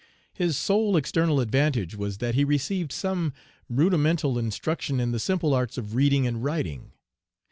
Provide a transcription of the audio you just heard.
His sole external advantage was that he received some rudimental instruction in the simple arts of reading and writing.